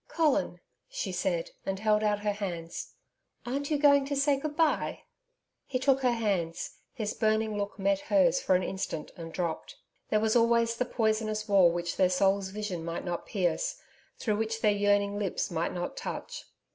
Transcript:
'Colin,' she said; and held out her hands. 'Aren't you going to say good bye?' He took her hands; his burning look met hers for an instant and dropped. There was always the poisonous wall which their soul's vision might not pierce through which their yearning lips might not touch.